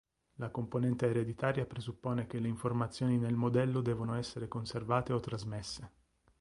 La componente ereditaria presuppone che le informazioni nel modello devono essere conservate o trasmesse.